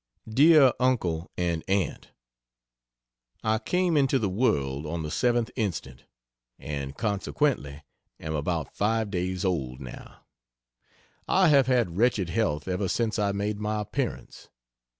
DEAR UNCLE AND AUNT, I came into the world on the 7th inst., and consequently am about five days old, now. I have had wretched health ever since I made my appearance.